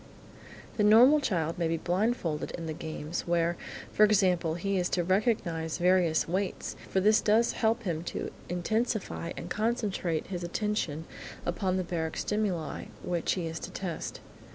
The normal child may be blindfolded in the games where, for example, he is to recognise various weights, for this does help him to intensify and concentrate his attention upon the baric stimuli which he is to test.